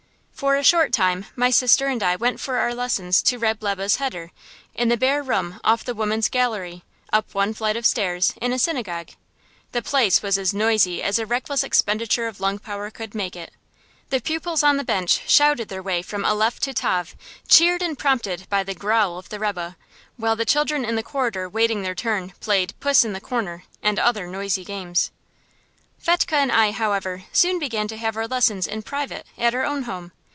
For a short time my sister and I went for our lessons to Reb' Lebe's heder, in the bare room off the women's gallery, up one flight of stairs, in a synagogue. The place was as noisy as a reckless expenditure of lung power could make it. The pupils on the bench shouted their way from aleph to tav, cheered and prompted by the growl of the rebbe; while the children in the corridor waiting their turn played "puss in the corner" and other noisy games. Fetchke and I, however, soon began to have our lessons in private, at our own home.